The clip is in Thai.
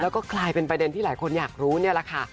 แล้วก็กลายเป็นประเด็นที่หลายคนอยากรู้นี่แหละค่ะ